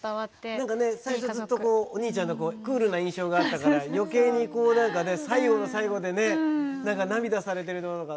何かね最初ずっとこうお兄ちゃんがクールな印象があったから余計にこう何かね最後の最後でね何か涙されてるところが。